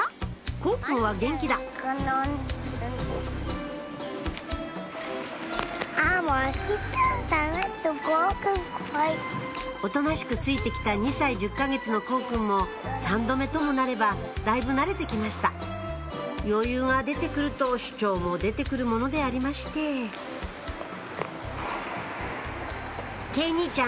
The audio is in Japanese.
幸くんは元気だおとなしくついて来た２歳１０か月の幸くんも３度目ともなればだいぶ慣れて来ました余裕が出て来ると主張も出て来るものでありまして慶兄ちゃん